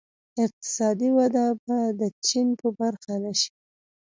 اقتصادي وده به د چین په برخه نه شي.